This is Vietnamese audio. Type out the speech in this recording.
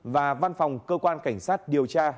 và văn phòng cơ quan cảnh sát điều tra bộ công an